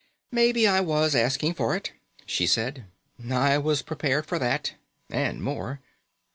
"Maybe I was asking for it," she said. "I was prepared for that and more.